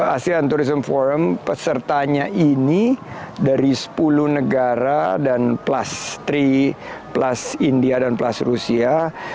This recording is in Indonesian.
asean tourism forum pesertanya ini dari sepuluh negara dan plus tiga plus india dan plus rusia